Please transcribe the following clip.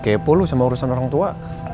kepo lu sama urusan orang tua